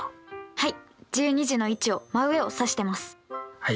はい。